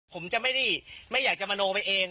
ผมจะไม่อยากจะมโนไปเอง